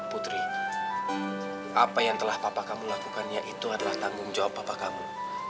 putri apa yang telah papa kamu lakukan ya itu adalah tanggung jawab papa kamu